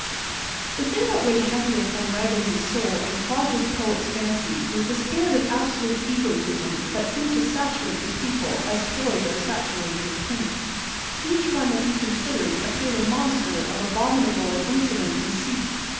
The thing that weighed heaviest on Raggles's soul and clogged his poet's fancy was the spirit of absolute egotism that seemed to saturate the people as toys are saturated with paint. Each one that he considered appeared a monster of abominable and insolent conceit.